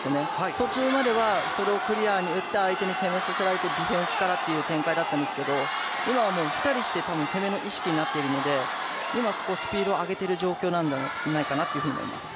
途中まではクリアしてディフェンスからという展開だったんですけど、今は２人して攻めの意識になっているので、今は今はスピードを上げている状況なんじゃないかなと思います。